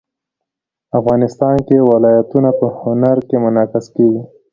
افغانستان کې ولایتونه په هنر کې منعکس کېږي.